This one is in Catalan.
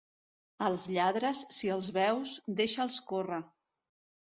Als lladres, si els veus, deixa'ls córrer.